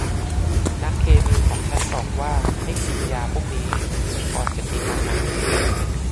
นักเคมีของฉันบอกว่าให้กินยาพวกนี้ ก่อนจะกินอาหาร